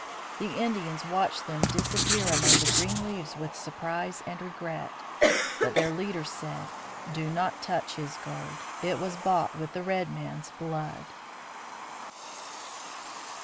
The Indians watched them disappear among the green leaves with surprise and regret. But their leader said, "Do not touch his gold; it was bought with the red man's blood."